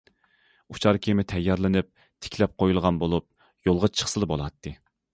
ئۇچار كېمە تەييارلىنىپ تىكلەپ قويۇلغان بولۇپ، يولغا چىقسىلا بولاتتى.